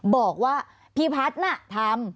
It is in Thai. บอกว่าพี่พัฒน์น่ะทำ